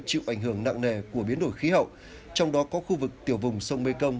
chịu ảnh hưởng nặng nề của biến đổi khí hậu trong đó có khu vực tiểu vùng sông mekong